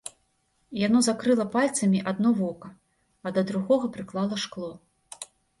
Яно закрыла пальцамі адно вока, а да другога прыклала шкло.